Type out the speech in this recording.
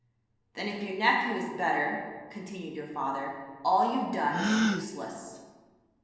"'Then if your nephew is better,' continued your father, 'all you've done is useless.'